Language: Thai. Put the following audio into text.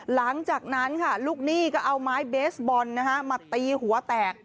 หลังจากนั้นค่ะลูกหนี้ก็เอาไม้เบสบอลมาตีหัวแตก